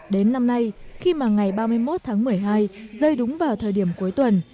đến năm nay khi mà ngày ba mươi một tháng một mươi hai rơi đúng vào thời điểm cuối tuần